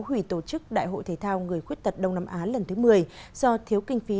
hủy tổ chức đại hội thể thao người khuyết tật đông nam á lần thứ một mươi do thiếu kinh phí